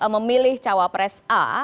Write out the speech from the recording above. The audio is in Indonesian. memilih cawa pres a